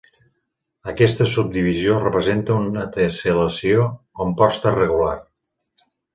Aquesta subdivisió representa una tessel·lació composta regular.